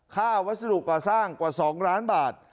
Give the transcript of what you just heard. วัสดุก่อสร้างกว่า๒ล้านบาท